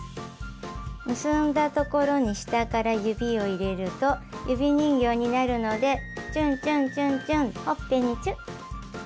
結んだ所に下から指を入れると指人形になるのでちゅんちゅんちゅんちゅんほっぺにチュ。